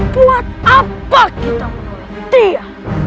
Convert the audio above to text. buat apa kita dia